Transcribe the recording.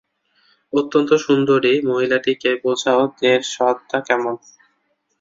অন্তত সুন্দরী মহিলাটিকে বোঝাও এর স্বাদটা কেমন।